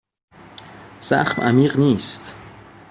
زخم عمیق نیست.